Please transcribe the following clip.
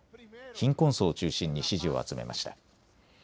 貧困層を中心に支持を集めました。